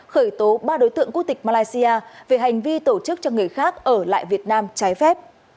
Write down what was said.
khởi tố ba đối tượng quốc tịch malaysia về hành vi tổ chức cho người khác ở lại việt nam trái phép